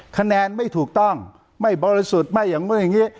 คะแนนไม่ถูกต้องไม่บริสุทธิ์มาอย่างนี้